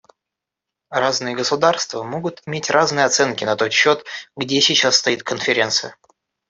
Разные государства могут иметь разные оценки на тот счет, где сейчас стоит Конференция.